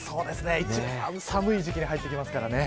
一番寒い時期に入ってきますからね。